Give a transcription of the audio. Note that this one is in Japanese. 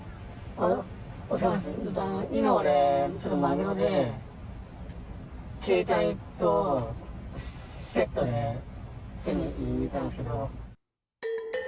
あの、今、俺、ちょっとまぐろで、携帯とセットで、手に入れたんですけど。